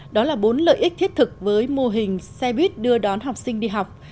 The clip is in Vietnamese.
đó là bốn lợi ích thiết thực với mô hình xe buýt đưa đón học sinh đi học